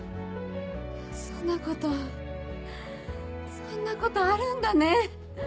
そんなことそんなことあるんだね！